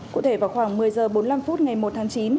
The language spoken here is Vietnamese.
cụ thể vào khoảng một mươi h bốn mươi năm phút ngày một tháng chín